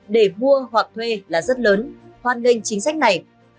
để mua hoặc thuê là rất lớn hoan nghênh chính sách này